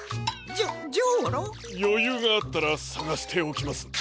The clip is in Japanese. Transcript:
よゆうがあったらさがしておきます。